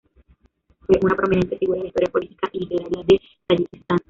Fue una prominente figura de la historia política y literaria de Tayikistán.